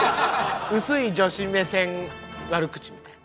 薄い女子目線悪口みたいな。